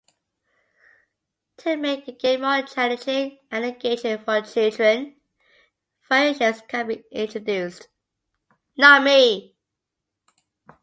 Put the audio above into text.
To make the game more challenging and engaging for children, variations can be introduced.